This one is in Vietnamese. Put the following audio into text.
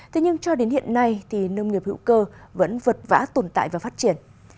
thế nhưng cho đến hiện nay thì nông nghiệp hữu cơ vẫn vật vã tồn tại và phát triển